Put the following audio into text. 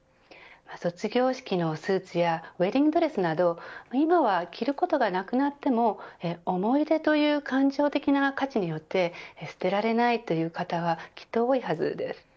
卒業式のスーツやウエディングドレスなど今は着ることがなくなっても思い出という感情的な価値によって捨てられないという方はきっと多いはずです。